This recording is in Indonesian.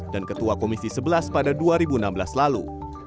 dan ketua komisi sebelas pada dua ribu enam belas lalu